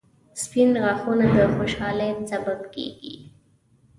• سپین غاښونه د خوشحالۍ سبب دي